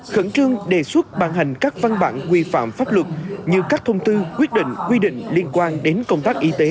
khẩn trương đề xuất ban hành các văn bản quy phạm pháp luật như các thông tư quyết định quy định liên quan đến công tác y tế